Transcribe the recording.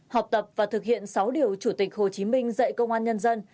học tập và thực hiện sáu điều chủ tịch hồ chí minh dạy công an nhân dân